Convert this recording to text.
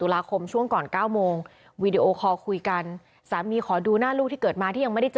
ไลน์อยู่น่ะ